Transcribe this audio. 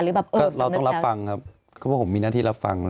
เราต้องรับฟังครับเพราะว่าผมมีหน้าที่รับฟัง